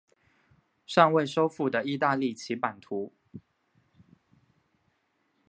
尚未收复的意大利其版图。